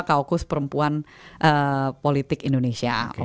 kaukus perempuan politik indonesia